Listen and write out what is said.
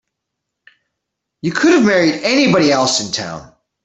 You could have married anybody else in town.